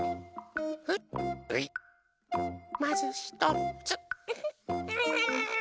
まずひとつ。